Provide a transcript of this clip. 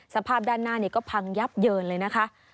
สภาพด้านหน้านี้ก็พังยับเยินเลยนะคะ